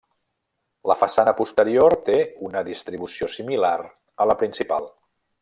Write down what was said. La façana posterior té una distribució similar a la principal.